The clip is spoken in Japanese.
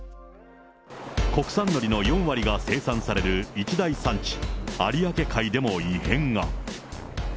国産のりの４割が生産される一大産地、有明海でも異変が。